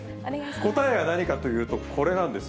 答えは何かというと、これなんですよ。